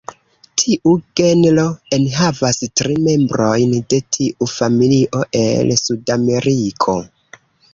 Tiu genro enhavas tri membrojn de tiu familio el Sudameriko.